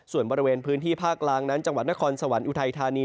ส่วนบริเวณพื้นที่ภาคกลางนั้นจังหวัดนครสวรรค์อุทัยธานี